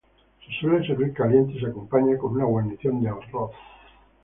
Se suele servir caliente y se acompaña con una guarnición de arroz.